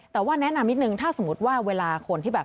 แต่ว่าแนะนำนิดนึงถ้าสมมุติว่าเวลาคนที่แบบ